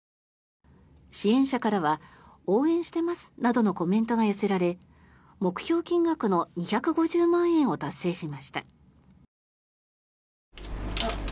支援者からは応援してますなどのコメントが寄せられ目標金額の２５０万円を達成しました。